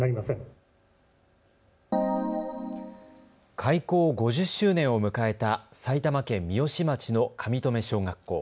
開校５０周年を迎えた埼玉県三芳町の上富小学校。